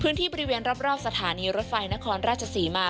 พื้นที่บริเวณรอบสถานีรถไฟนครราชศรีมา